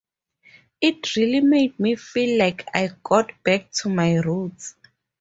It really made me feel like I got back to my roots.